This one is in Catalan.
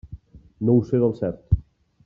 No ho sé del cert.